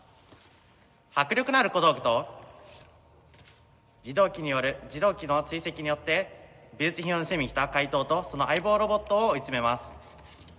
迫力のある小道具と自動機による自動機の追跡によって美術品を盗みに来た怪盗とその相棒ロボットを追い詰めます。